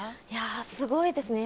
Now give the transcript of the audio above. すごいですね。